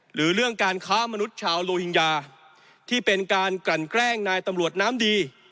หรือเรื่องการค้ามนุษย์ชาวโลหิงญาที่เป็นการกลั่นแกล้งนายตำรวจน้ำดี